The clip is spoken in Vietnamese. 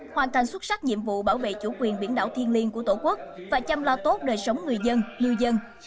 hoàn thành xuất sắc nhiệm vụ bảo vệ chủ quyền biển đảo thiên liên của tổ quốc và chăm lo tốt đời sống người dân lưu dân